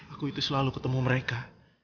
aku itu selalu ketemu mereka